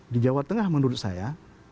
di jawa tengah menurut saya